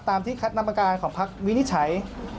ตามที่คัดนำการของพรรควินิชัย